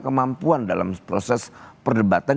kemampuan dalam proses perdebatan